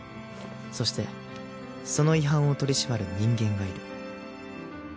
そしてその違反を取り締まる人間がいる